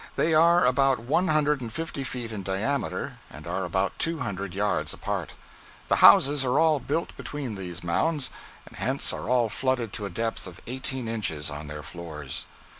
They are about one hundred and fifty feet in diameter, and are about two hundred yards apart. The houses are all built between these mounds, and hence are all flooded to a depth of eighteen inches on their floors.